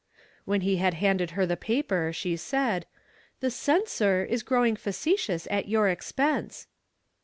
When he had handed her the paper she said, "'The Censor' is growing facetious at your expense."